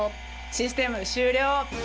システム終了。